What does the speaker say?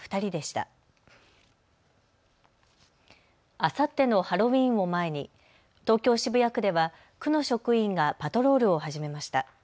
あさってのハロウィーンを前に東京渋谷区では区の職員がパトロールを始めました。